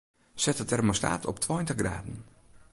Set de termostaat op tweintich graden.